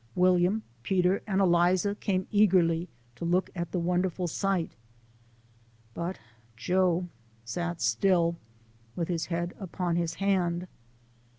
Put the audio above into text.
William, Peter, and Eliza came eagerly to look at the wonderful sight; but Joe sat still, with, his head upon his hand.